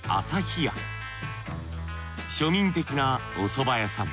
庶民的なお蕎麦屋さん。